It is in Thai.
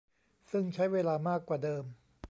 ซึ่งใช้เวลามากกว่าเดิม